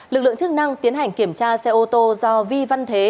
lực lượng chức năng tiến hành kiểm tra xe ô tô do vi văn thế